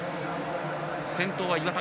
先頭は岩田。